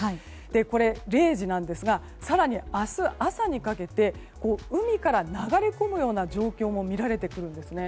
これ、０時なんですが更に明日朝にかけて海から流れ込むような状況も見られてくるんですね。